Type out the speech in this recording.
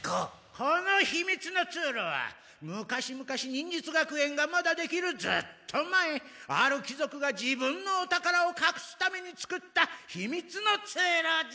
この秘密の通路は昔々忍術学園がまだできるずっと前ある貴族が自分のお宝をかくすために作った秘密の通路じゃ。